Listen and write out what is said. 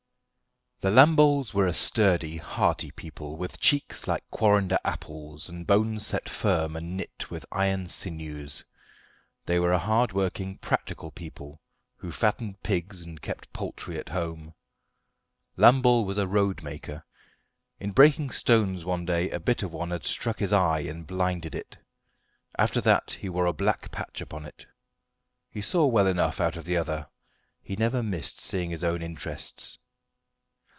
The Lamboles were a sturdy, hearty people, with cheeks like quarrender apples, and bones set firm and knit with iron sinews. They were a hard working, practical people who fattened pigs and kept poultry at home. Lambole was a roadmaker. In breaking stones one day a bit of one had struck his eye and blinded it. After that he wore a black patch upon it. He saw well enough out of the other; he never missed seeing his own interests.